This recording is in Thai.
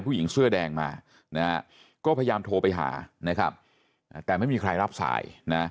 ผู้หญิงเสื้อแดงมาก็พยายามโทรไปหาแต่ไม่มีใครรับสาย